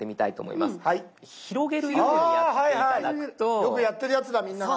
よくやってるやつだみんなが。